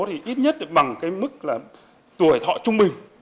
thì ít nhất bằng cái mức là tuổi họa trung bình